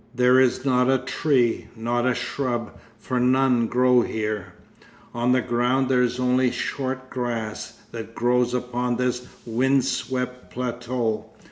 There is not a tree, not a shrub, for none grow here: on the ground there is only the short grass that grows upon this wind swept plateau.